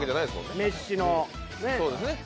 メッシのね。